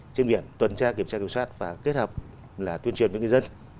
trên biển tuần tra kiểm tra kiểm soát và kết hợp là tuyên truyền với người dân